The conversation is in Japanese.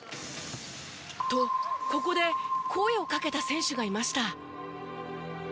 とここで声をかけた選手がいました。